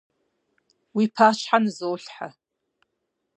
Уи пащхьэ нызолъхьэ.